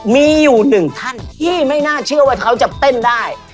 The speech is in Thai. มีอยู่หนึ่งท่านที่ไม่น่าเชื่อว่าเขาจะเต้นได้